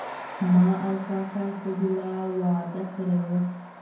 ما او کاکا اسدالله وعده کړې وه.